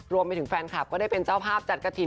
รวมไปถึงแฟนคลับก็ได้เป็นเจ้าภาพจัดกระถิ่น